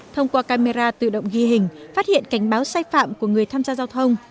thông qua camera tự động ghi hình phát hiện cảnh báo sai phạm của người tham gia giao thông